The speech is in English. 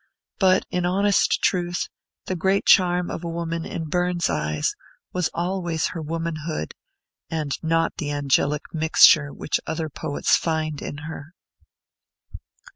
But, in honest truth, the great charm of a woman, in Burns's eyes, was always her womanhood, and not the angelic mixture which other poets find in her.